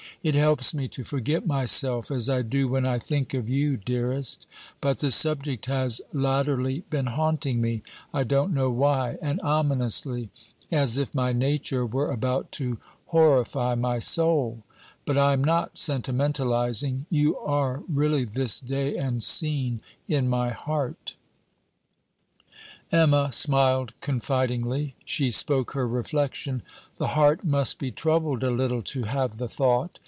It helps me to forget myself, as I do when I think of you, dearest; but the subject has latterly been haunting me, I don't know why, and ominously, as if my nature were about to horrify my soul. But I am not sentimentalizing, you are really this day and scene in my heart.' Emma smiled confidingly. She spoke her reflection: 'The heart must be troubled a little to have the thought.